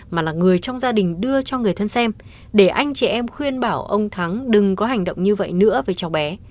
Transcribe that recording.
mà là người trong gia đình đưa cho người thân xem để anh chị em khuyên bảo ông thắng đừng có hành động như vậy nữa với cháu bé